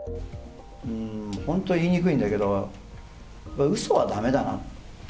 本当に言いにくいんだけど、うそはだめだなって。